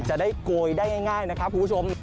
จะได้โกยได้ง่ายนะครับคุณผู้ชม